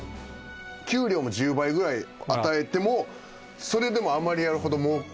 給料も１０倍ぐらい与えてもそれでも余りあるほど。